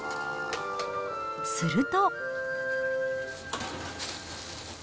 すると。